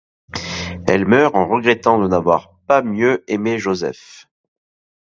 Elle meurt en regrettant de n'avoir pas mieux aimé Joseph.